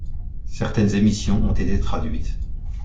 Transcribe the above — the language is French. Certaines émissions ont été traduites.